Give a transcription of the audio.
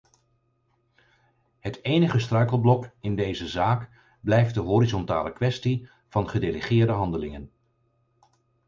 Het enige struikelblok in deze zaak blijft de horizontale kwestie van gedelegeerde handelingen.